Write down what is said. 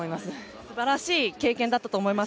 素晴らしい経験だったと思います。